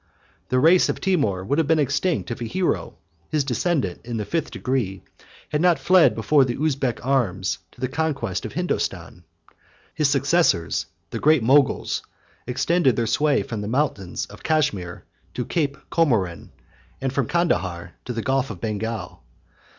The race of Timour would have been extinct, if a hero, his descendant in the fifth degree, had not fled before the Uzbek arms to the conquest of Hindostan. His successors (the great Moguls 71) extended their sway from the mountains of Cashmir to Cape Comorin, and from Candahar to the Gulf of Bengal.